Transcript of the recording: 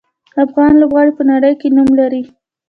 افغان لوبغاړي په نړۍ کې نوم لري.